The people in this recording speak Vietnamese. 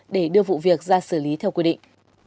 để đưa vụ việc ra xử lý theo quy định